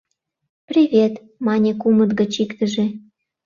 — Привет! — мане кумыт гыч иктыже